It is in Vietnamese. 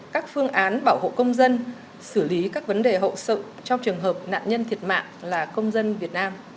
các phương án bảo hộ công dân xử lý các vấn đề hậu sự trong trường hợp nạn nhân thiệt mạng là công dân việt nam